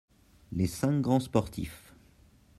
Les cinq grands sportifs.